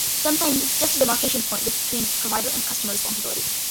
Sometimes it's just a demarcation point between provider and customer responsibility.